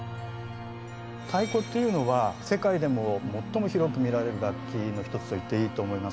太鼓っていうのは世界でも最も広く見られる楽器の一つと言っていいと思います。